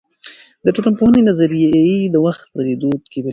د ټولنپوهني نظريې د وخت په تیریدو کې بدلیږي.